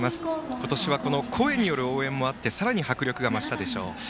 今年は声による応援もあってさらに迫力が増したでしょう。